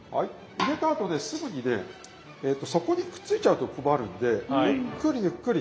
入れたあとねすぐにね底にくっついちゃうと困るんでゆっくりゆっくり。